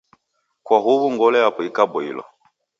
Kwa huw'u ngolo yapo ikaboilwa.